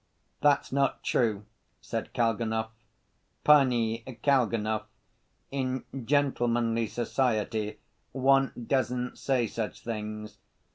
"That's not true," said Kalganov. "Panie Kalganov, in gentlemanly society one doesn't say such things."